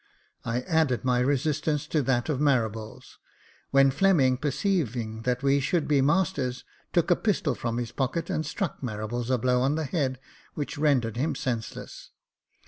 I added my resistance to that of Marables ; v/hen Fleming, perceiving that we should be masters, took a pistol from his pocket, and struck Marables a blow on the head, which rendered him senseless.